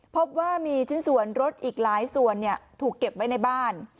พบว่ามีชิ้นส่วนรถอีกหลายส่วนถูกเก็บไว้ในบ้าน